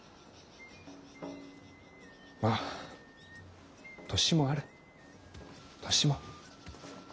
ま年もある年も。